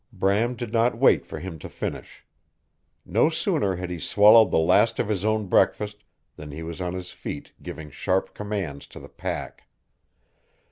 Bram did not wait for him to finish. No sooner had he swallowed the last of his own breakfast than he was on his feet giving sharp commands to the pack.